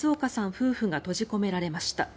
夫婦が閉じ込められました。